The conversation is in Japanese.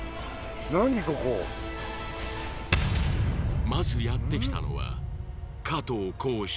何ここまずやってきたのは加藤浩次